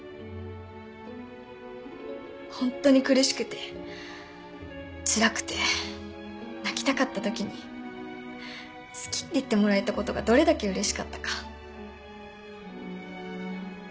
ホントに苦しくてつらくて泣きたかった時に好きって言ってもらえたことがどれだけうれしかったか。